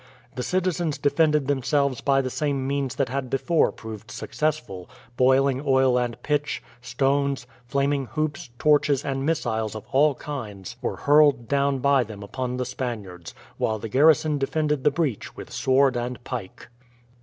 The citizens defended themselves by the same means that had before proved successful, boiling oil and pitch, stones, flaming hoops, torches, and missiles of all kinds were hurled down by them upon the Spaniards, while the garrison defended the breach with sword and pike.